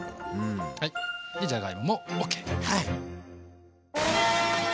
はいじゃがいももＯＫ！